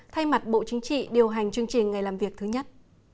thay mặt bộ chính trị điều hành chương trình ngày làm việc thứ nhất